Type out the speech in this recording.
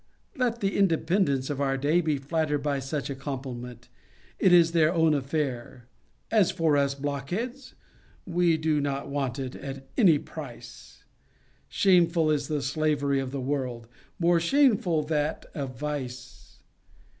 Let the independents of our day be flattered by such a compliment ; it is their own affair. As for us blockheads, we do not want it at any price. Shameful is the. slavery of the world ; more shameful that of vice.